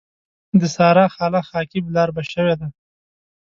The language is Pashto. د سارا خاله خاکي بلاربه شوې ده.